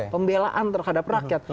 pembelaan terhadap rakyat